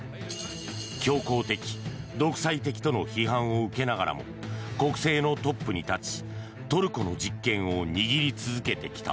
強硬的、独裁的との批判を受けながらも国政のトップに立ちトルコの実権を握り続けてきた。